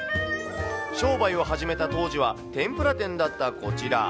商売を始めた当時は、天ぷら店だったこちら。